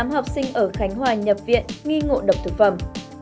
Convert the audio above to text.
hai mươi tám học sinh ở khánh hòa nhập viện nghi ngộ độc thực phẩm